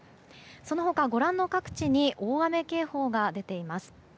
その他、ご覧の各地に大雨警報が出ています。